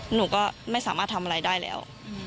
หนูก็ไม่สามารถทำอะไรได้แล้ว